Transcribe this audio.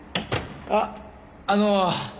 あっあの。